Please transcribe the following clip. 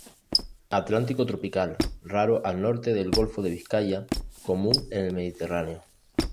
Atlántico tropical, raro al norte del golfo de Vizcaya, común en el Mediterráneo.